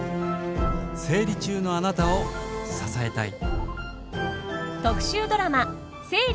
「生理中のあなたを支えたい」。